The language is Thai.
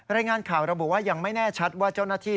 รายงานข่าวระบุว่ายังไม่แน่ชัดว่าเจ้าหน้าที่